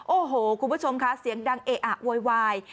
โอ้โหคุณผู้ชมคะเสียงดังเอะอะโวยวาย